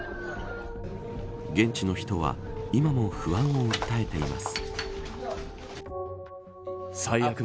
現地の人は今も不安を訴えています。